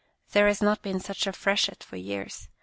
" There has not been such a freshet for years.